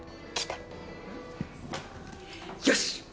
よし。